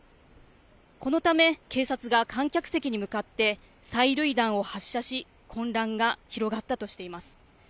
このため警察が観客席に向かって催涙弾を発射し混乱が広がったとしています。